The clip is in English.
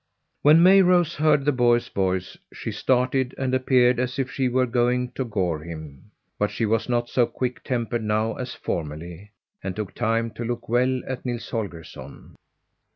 When Mayrose heard the boy's voice she started, and appeared as if she were going to gore him. But she was not so quick tempered now as formerly, and took time to look well at Nils Holgersson.